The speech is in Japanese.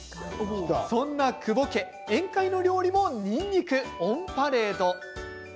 そんな久保家、宴会の料理もにんにくオンパレード。